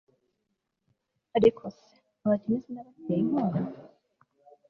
ariko se abakene sinabateye inkunga